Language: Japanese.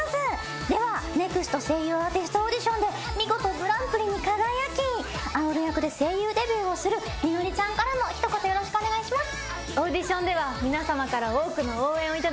ではＮＥＸＴ声優アーティストオーディションで見事グランプリに輝きあうる役で声優デビューをするミノリちゃんからも一言よろしくお願いします。